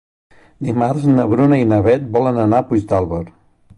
Dimarts na Bruna i na Beth volen anar a Puigdàlber.